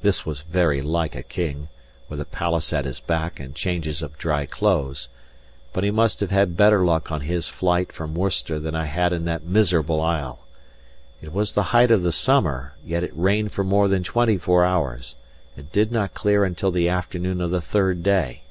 This was very like a king, with a palace at his back and changes of dry clothes. But he must have had better luck on his flight from Worcester than I had on that miserable isle. It was the height of the summer; yet it rained for more than twenty four hours, and did not clear until the afternoon of the third day.